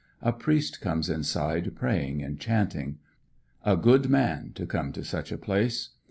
A priest comes inside praying and chanting. A good man to come to such a place.